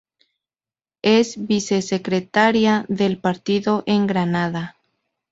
Es vicesecretaria del partido en Granada.